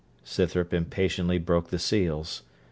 Scythrop impatiently broke the seals.